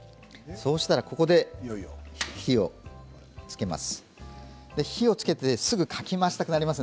そうしたら、ここで火をつけます。